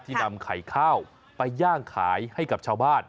นำไข่ข้าวไปย่างขายให้กับชาวบ้าน